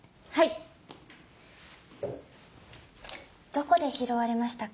どこで拾われましたか？